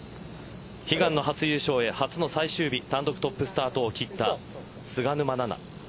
悲願の初優勝へ初の最終日単独トップスタートを切った菅沼菜々。